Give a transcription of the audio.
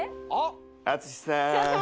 淳さん